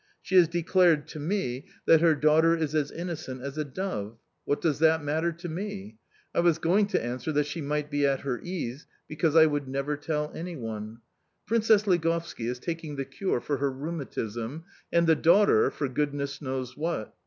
She has declared to me that her daughter is as innocent as a dove. What does that matter to me?... I was going to answer that she might be at her ease, because I would never tell anyone. Princess Ligovski is taking the cure for her rheumatism, and the daughter, for goodness knows what.